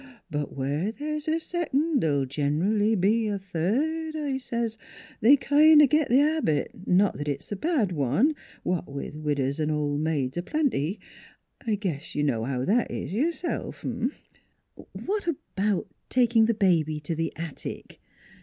* But where there's a secon' th'll gen'ally be a third,' I says. They kind o' git th' habit not that it's a bad one, what with widows an' ol' maids a plenty. I guess you know how that is yourself, 'm." " What about taking the baby to the attic?